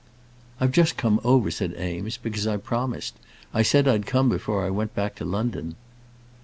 "I've just come over," said Eames, "because I promised. I said I'd come before I went back to London."